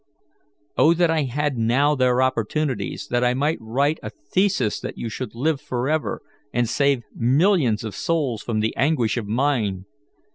Oh, that I had now their opportunities, that I might write a thesis that should live forever, and save millions of souls from the anguish of mine!